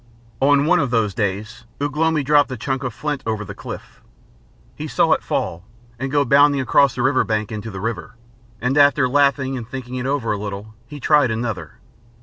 On one of those days Ugh lomi dropped a chunk of flint over the cliff. He saw it fall, and go bounding across the river bank into the river, and after laughing and thinking it over a little he tried another.